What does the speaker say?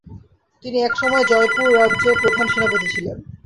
তিনি একসময়ে জয়পুর রাজ্যের প্রধান সেনাপতি ছিলেন।